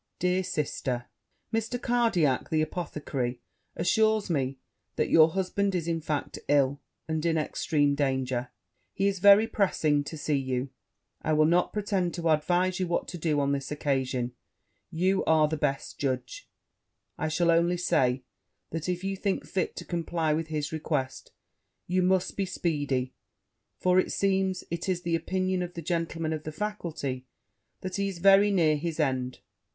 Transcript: Dear sister, Mr. Cardiack, the apothecary, assures me that your husband is in fact ill, and in extreme danger; he is very pressing to see you: I will not pretend to advise you what to do on this occasion you are the best judge; I shall only say that, if you think fit to comply with his request, you must be speedy; for, it seems, it is the opinion of the gentlemen of the faculty, that he is very near his end.